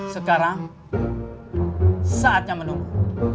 sekarang saatnya menunggu